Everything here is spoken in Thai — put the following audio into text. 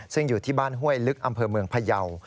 ซึ่งอยู่ที่บ้านห้วยลึกอำเภอเมืองพยาว